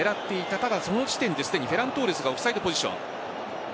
ただ、その時点でフェラントーレスがオフサイドポジション。